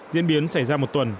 diễn biến xảy ra một tuần